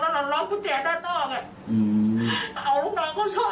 มันไล่มาแล้วพรุ่งนี้มันซ่อนอยู่ในห้องอ่ะห้องนอนของของเราเองอ่ะ